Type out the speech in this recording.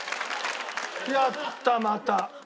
やったまた。